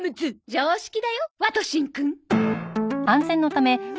常識だよワトシンくん。